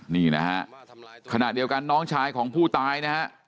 นี่นะฮะขณะเดียวกันน้องชายของผู้ตายนะฮะ